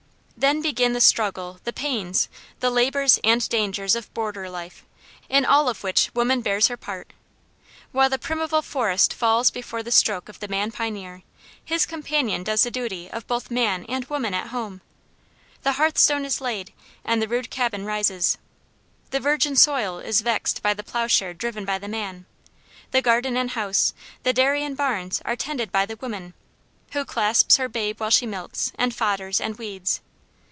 Then begin the struggle, and pains, the labors, and dangers of border life, in all of which woman bears her part. While the primeval forest falls before the stroke of the man pioneer, his companion does the duty of both man and woman at home. The hearthstone is laid, and the rude cabin rises. The virgin soil is vexed by the ploughshare driven by the man; the garden and house, the dairy and barns are tended by the woman, who clasps her babe while she milks, and fodders, and weeds.